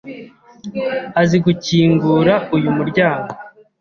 Azi gukingura uyu muryango.